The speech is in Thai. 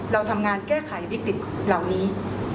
เราทำงานแก้ไขวิกฤตเหล่านี้